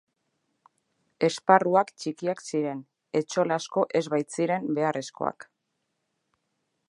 Esparruak txikiak ziren, etxola asko ez baitziren beharrezkoak.